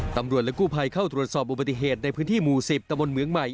ตำรวจและกู้ภัยเข้าตรวจสอบอุบัติเหตุในพื้นที่หมู่๑๐ตะบนเหมืองใหม่